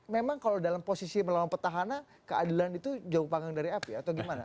memang kalau dalam posisi melawan petahana keadilan itu jauh panggang dari api atau gimana